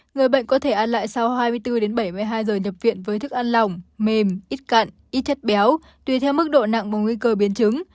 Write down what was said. người bệnh có thể ăn lại sau hai mươi bốn bảy mươi hai giờ nhập viện với thức ăn lỏng mềm ít cặn ít chất béo tùy theo mức độ nặng và nguy cơ biến chứng